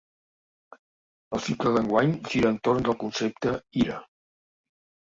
El cicle d’enguany gira entorn del concepte ‘ira’.